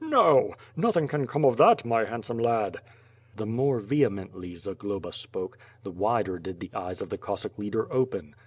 Xo; nothing can come of that, my handsome lad." The more vehemently Zagloba spoke, the wider did the eyes of the Cossack leader open.